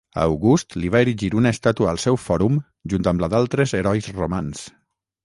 August li va erigir una estàtua al seu fòrum junt amb la d'altres herois romans.